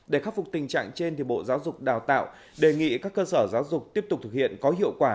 để khắc phục tình trạng trên bộ giáo dục đào tạo đề nghị các cơ sở giáo dục tiếp tục thực hiện có hiệu quả